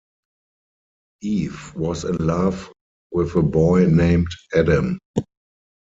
Eve was in love with a boy named Adam.